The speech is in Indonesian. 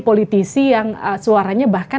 politisi yang suaranya bahkan